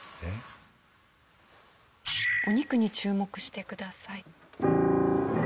お肉に注目してください。